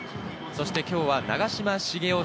そして今日は長嶋茂雄